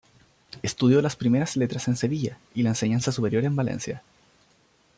Estudió las primeras letras en Sevilla y la enseñanza superior en Valencia.